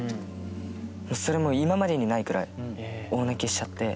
それも今までにないくらい大泣きしちゃって。